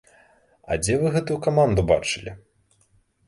А дзе вы гэтую каманду бачылі!